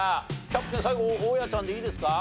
キャプテン最後大家ちゃんでいいですか？